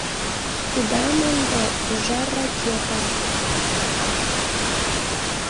Ида мондо — ужар ракета.